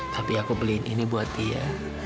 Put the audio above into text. tapi aku beliin ini buat dia